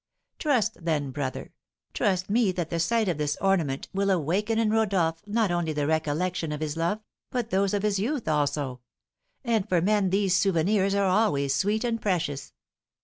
Thus, then, brother, trust me that the sight of this ornament will awaken in Rodolph not only the recollection of his love, but those of his youth also; and for men these souvenirs are always sweet and precious."